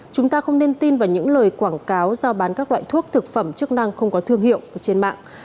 chúng ta không nên tin vào những lời quảng cáo giao bán các loại thuốc thực phẩm chức năng không có thương hiệu trên mạng